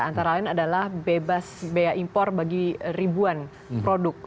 antara lain adalah bebas biaya impor bagi ribuan produk